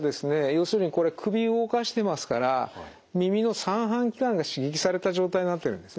要するにこれ首を動かしてますから耳の三半規管が刺激された状態になってるんですね。